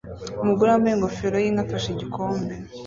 Umugore wambaye ingofero yinka afashe igikombe